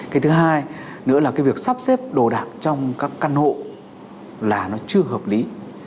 cái thứ hai nữa là cái việc sắp xếp đồ đạc trong các căn hộ là nó chưa hợp lý